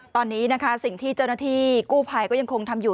ตอนนี้นะคะสิ่งที่เจ้าหน้าที่กู้ภัยก็ยังคงทำอยู่